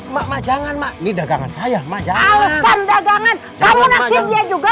makma jangan makni dagangan saya majang dagangan kamu nasib dia juga